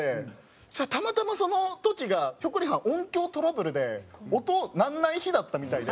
そしたらたまたまその時がひょっこりはん音響トラブルで音鳴らない日だったみたいで。